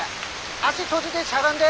足閉じてしゃがんで。